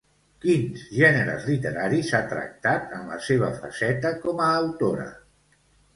Quins gèneres literaris ha tractat en la seva faceta com a autora?